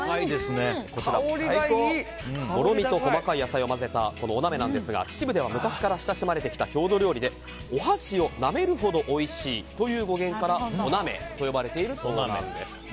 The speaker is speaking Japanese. もろみと細かい野菜を混ぜたおなめですが秩父では昔から親しまれてきた郷土料理でお箸をなめるほどおいしいという語源から、おなめと呼ばれているそうなんです。